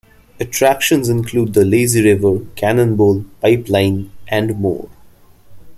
Attractions include the Lazy River, Cannon Bowl, Pipeline, and more.